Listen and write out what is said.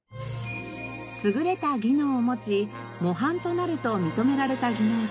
優れた技能を持ち模範となると認められた技能者